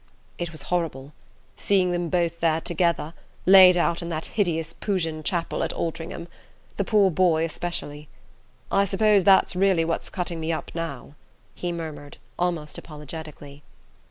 "It was horrible... seeing them both there together, laid out in that hideous Pugin chapel at Altringham... the poor boy especially. I suppose that's really what's cutting me up now," he murmured, almost apologetically.